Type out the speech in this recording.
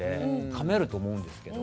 かめると思うんですけど。